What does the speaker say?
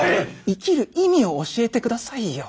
生きる意味を教えてくださいよ。